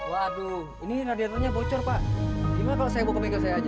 waduh ini radiatornya bocor pak gimana kalau saya bawa pemingkal saya aja